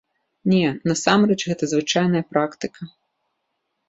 Не, насамрэч гэта звычайная практыка.